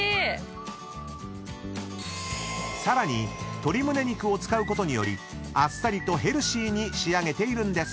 ［さらに鶏ムネ肉を使うことによりあっさりとヘルシーに仕上げているんです］